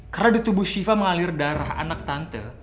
karena di tubuh shiva mengalir darah anak tante